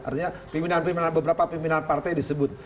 artinya pimpinan pimpinan beberapa pimpinan partai disebut